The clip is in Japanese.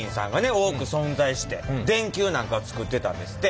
多く存在して電球なんかつくってたんですって。